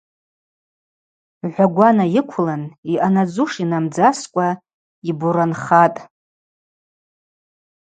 Гӏвагвана йыквлын, йъанадзуш йнамдзаскӏва йборанхатӏ.